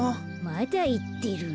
まだいってる。